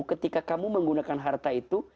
ketika kamu menggunakan harta itu